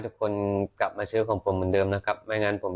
ทุกคนกลับมาซื้อของผมเหมือนเดิมนะครับไม่งั้นผม